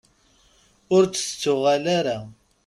Ur d-tettuɣal ara.